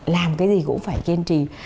làm cái gì cũng phải kiên trì